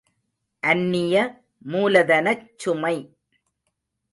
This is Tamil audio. அந்நிய மூலதனச் சுமை!